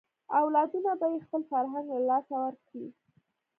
اولادونه به یې خپل فرهنګ له لاسه ورکړي.